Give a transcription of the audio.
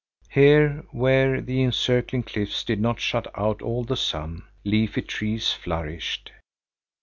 Here where the encircling cliffs did not shut out all the sun, leafy trees flourished.